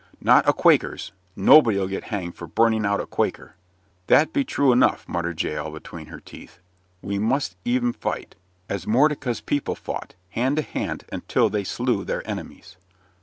"Not a Quaker's! nobody'll get hanged for burning out a Quaker!" "That be true enough," muttered Jael between her teeth. "We must e'en fight, as Mordecai's people fought, hand to hand, until they slew their enemies."